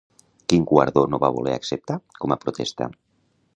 Quin guardó no va voler acceptar com a protesta?